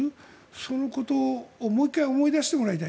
そのことをもう一回思い出してもらいたい。